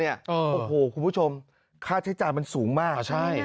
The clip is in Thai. โอ้โหคุณผู้ชมค่าใช้จ่ายมันสูงมากใช่